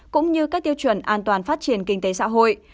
cũng như các tiêu chuẩn an toàn phát triển kinh tế xã hội